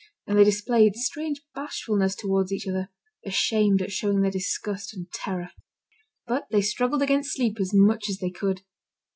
And they displayed strange bashfulness towards each other, ashamed at showing their disgust and terror. But they struggled against sleep as much as they could.